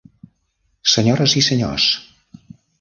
Senyores i senyors.